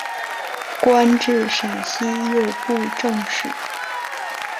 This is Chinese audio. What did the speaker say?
官至陕西右布政使。